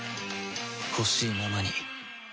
ほしいままに